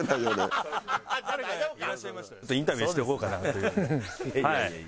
インタビューしていこうかなという。